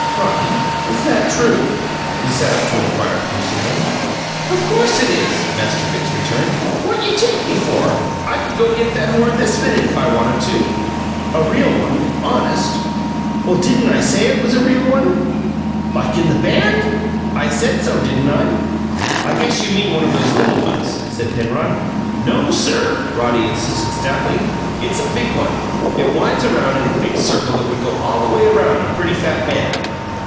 "Roddy, is that true?" he sat up to inquire piercingly. "Of course it is!" Master Bitts returned. "What you take me for? I could go get that horn this minute if I wanted to." "A real one honest?" "Well, didn't I say it was a real one?" "Like in the BAND?" "I said so, didn't I?" "I guess you mean one of those little ones," said Penrod. "No, sir!" Roddy insisted stoutly; "it's a big one! It winds around in a big circle that would go all the way around a pretty fat man."